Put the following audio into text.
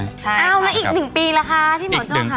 อีก๑ปีหรอค่ะผู้อิกหน่อย